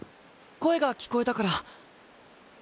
声が聞こえたから。